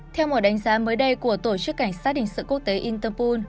theo một đánh giá mới đây của tổ chức cảnh sát hình sự quốc tế interpol